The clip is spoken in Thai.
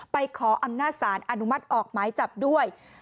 ขออำนาจสารอนุมัติออกหมายจับด้วย